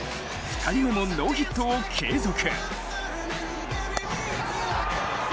２人目もノーヒットを継続。